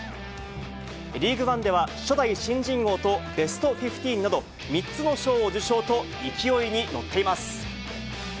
リーグワンでは、初代新人王とベストフィフティーンなど、３つの賞を受賞と、勢いに乗っています。